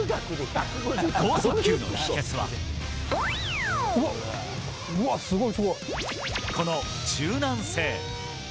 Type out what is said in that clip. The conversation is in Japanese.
豪速球の秘訣は、この柔軟性。